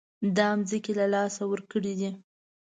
دا ځمکې له لاسه ورکړې دي.